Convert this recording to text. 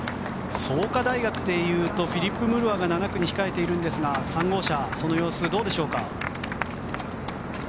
創価大学でいうとフィリップ・ムルワが７区に控えているんですが３号車、その様子どうでしょうか。